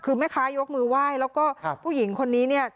คือแม่ค้ายกมือไหว้แล้วก็ผู้หญิงคนนี้เนี่ย